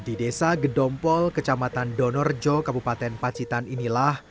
di desa gedompol kecamatan donorjo kabupaten pacitan inilah